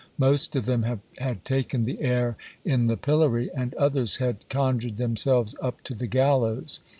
Most of them had taken the air in the pillory, and others had conjured themselves up to the gallows.